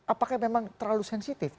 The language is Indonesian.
apakah memang terlalu sensitif